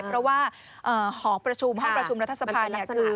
เพราะว่าหอประชุมห้องประชุมรัฐสะพาย